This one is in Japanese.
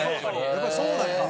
やっぱりそうなんやね。